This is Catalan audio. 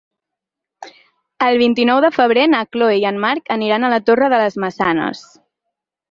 El vint-i-nou de febrer na Chloé i en Marc aniran a la Torre de les Maçanes.